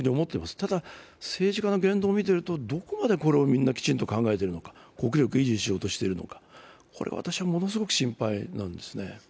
ただ、政治家の言動を見ていると、どこまでこれをみんなきちんと考えているのか、国力を維持しようとしているのかがこれは私はものすごく心配なんですね。